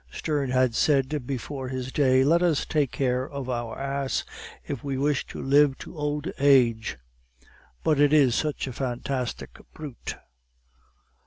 Sterne had said before his day, "Let us take care of our ass, if we wish to live to old age." But it is such a fantastic brute!